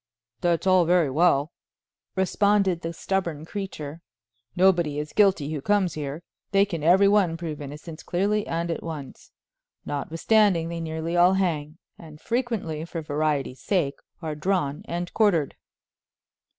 "That's all very well," responded the stubborn creature; "nobody is guilty who comes here; they can every one prove innocence clearly and at once. Notwithstanding, they nearly all hang, and frequently, for variety's sake, are drawn and quartered."